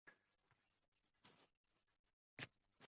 uydagilar ishonchini oqlay olmaganligi uchun xo‘ngrab yig‘laydi.